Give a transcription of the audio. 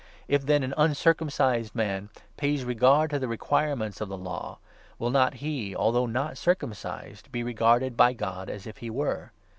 If, then, an uncircumcised man pays 26 regard to the requirements of the Law, will not he, although not circumcised, be regarded by God as if he were?